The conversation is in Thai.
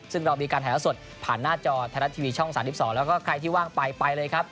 ซึ่งเรามีการถ่ายละสดผ่านหน้าจอไทยรัฐทีวีช่อง๓๒แล้วก็ใครที่ว่างไปไปเลยครับ